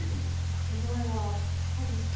焼け具合はいかがですか？